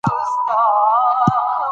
په خیر او